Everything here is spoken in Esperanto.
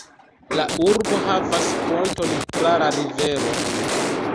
La urbo havas ponton tra la rivero.